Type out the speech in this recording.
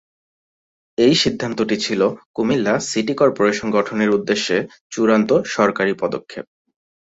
এই সিদ্ধান্তটি ছিল কুমিল্লা সিটি কর্পোরেশন গঠনের উদ্দেশ্যে চূড়ান্ত সরকারি পদক্ষেপ।